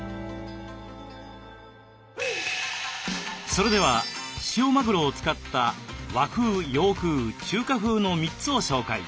それでは塩マグロを使った和風洋風中華風の３つを紹介。